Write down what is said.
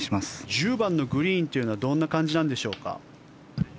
１０番のグリーンというのはどんな感じなんでしょうか？